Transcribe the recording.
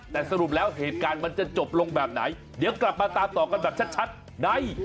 แต่สรุปแล้วเหตุการณ์มันจะจบลงแบบไหนเดี๋ยวกลับมาตามต่อกันแบบชัดใน